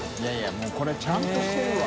もうこれちゃんとしてるわ。